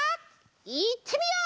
いってみよう！